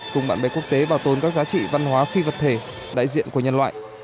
cùng bạn bè quốc tế bảo tồn các giá trị văn hóa phi vật thể đại diện của nhân loại